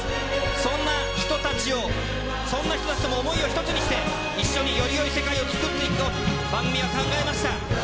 そんな人たちを、そんな人たちとも想いを一つにして、一緒によりよい世界を作っていこうと番組は考えました。